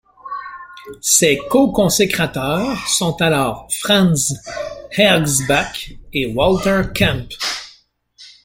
Ses co-consécrateurs sont alors Franz Hengsbach et Walter Kampe.